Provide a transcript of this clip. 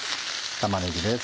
玉ねぎです。